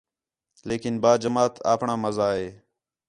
لیکن با جماعت آپݨاں مزہ ہے